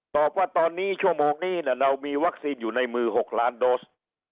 ตอบว่าตอนนี้ชั่วโมงนี้เรามีวัคซีนอยู่ในมือ๖ล้านโดส